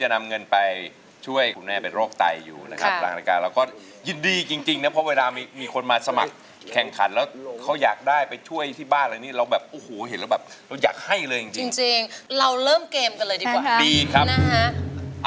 นำเงินไปช่วยคุณแม่เป็นโรคไตอยู่นะครับหลังรายการเราก็ยินดีจริงจริงนะเพราะเวลามีคนมาสมัครแข่งขันแล้วเขาอยากได้ไปช่วยที่บ้านอะไรนี่เราแบบโอ้โหเห็นแล้วแบบเราอยากให้เลยจริงจริงเราเริ่มเกมกันเลยดีกว่าดีครับนะฮะ